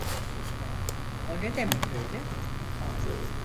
O ne demek öyle?